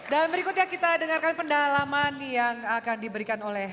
dan berikutnya kita dengarkan pendalaman yang akan diberikan oleh